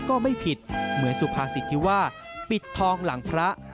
ก็ไม่ผิดเหมือนสุภาษิตที่ว่าปิดทองหลังพระ